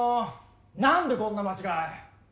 何でこんな間違い。